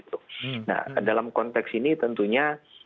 nah dalam konteks ini tentunya